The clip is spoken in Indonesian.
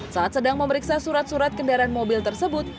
saat sedang memeriksa surat surat kendaraan mobil tersebut